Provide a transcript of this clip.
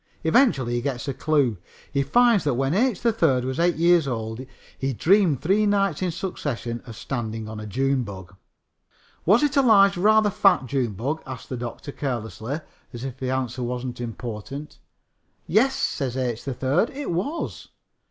Eventually he gets a clue. He finds that when H. 3rd was eight years old he dreamed three nights in succession of stepping on a June bug. "Was it a large, rather fat June bug?" asks the doctor carelessly, as if the answer was not important. "Yes," says H. 3rd, "it was."